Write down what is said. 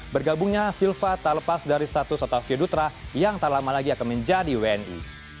bergabungnya silva tak lepas dari status otak fio dutra yang tak lama lagi akan menjadi wni